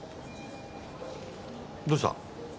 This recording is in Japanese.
どうした？